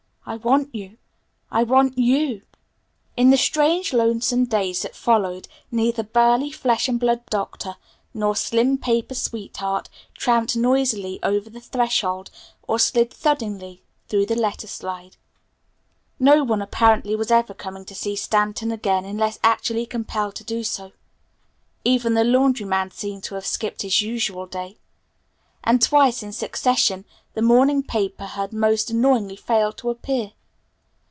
"I want you! I want you!" In the strange, lonesome days that followed, neither burly flesh and blood Doctor nor slim paper sweetheart tramped noisily over the threshold or slid thuddingly through the letter slide. No one apparently was ever coming to see Stanton again unless actually compelled to do so. Even the laundryman seemed to have skipped his usual day; and twice in succession the morning paper had most annoyingly failed to appear.